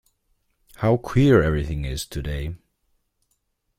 How queer everything is to-day!